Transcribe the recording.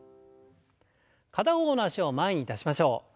片方の脚を前に出しましょう。